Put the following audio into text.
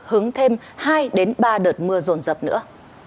hướng thêm hai ba đợt mưa rồn rập nữa